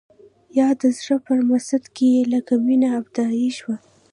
يا د زړه پر مسند کښيني لکه مينه ابدي شي.